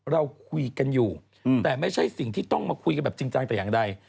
เราคุยกันอยู่แต่ไม่ใช่สิ่งที่ต้องมาคุยกันแบบจริงจังแต่อย่างใด